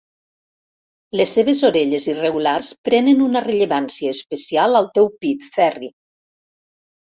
Les seves orelles irregulars prenen una rellevància especial al teu pit, Ferri.